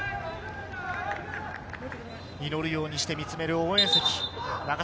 祈るようにして見つめる応援席。